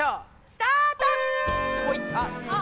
スタート！